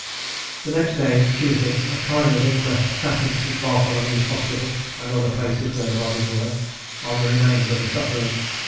The next day (Tuesday) a coroner's inquest sat in St. Bartholomew's Hospital, and other places where the bodies were, on the remains of the sufferers.